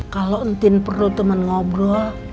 kalau entin perlu teman ngobrol